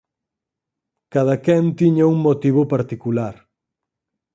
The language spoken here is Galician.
Cadaquén tiña un motivo particular.